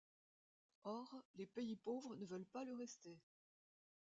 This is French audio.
Or, les pays pauvres ne veulent pas le rester.